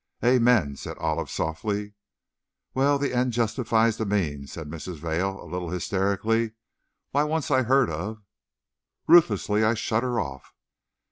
"Amen," said Olive, softly. "Well, the end justifies the means," said Mrs. Vail, a little hysterically. "Why, once I heard of " Ruthlessly, I shut her off.